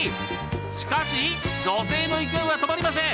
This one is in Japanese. しかし、女性の勢いは止まりません。